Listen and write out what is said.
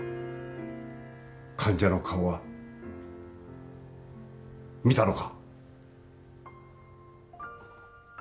患者の顔は見たのか？